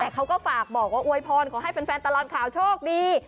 เขาก็ฝากบอกว่าอวยพรขอให้แฟนตลอดข่าวโชคดี